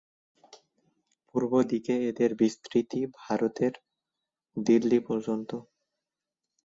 পূর্ব দিকে এদের বিস্তৃতি ভারতের দিল্লী পর্যন্ত।